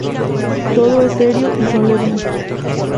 Todo es serio y solemne.